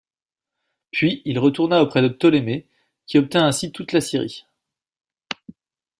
Puis il retourna auprès de Ptolémée qui obtint ainsi toute la Syrie.